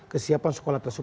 kesiapan sekolah tersusun